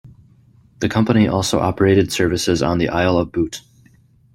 The company also operated services on the Isle of Bute.